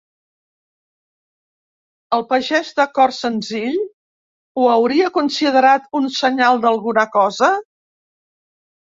El pagès de cor senzill, ¿ho hauria considerat un senyal d'alguna cosa?